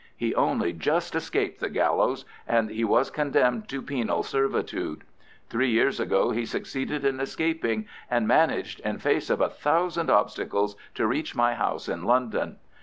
He only just escaped the gallows, and he was condemned to penal servitude. Three years ago he succeeded in escaping, and managed, in face of a thousand obstacles, to reach my house in London.